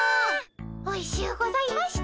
おいしゅうございました。